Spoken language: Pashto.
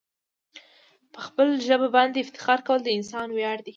په خپل ژبه باندي افتخار کول د انسان ویاړ دی.